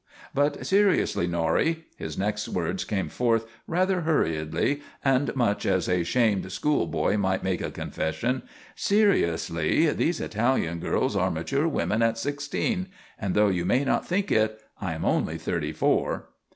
But seriously, Norrie," his next words came forth rather hurriedly, and much as a shamed school boy might make a confession, "seriously these Italian girls are mature women at sixteen. And though you may not think it, I am only thirty four."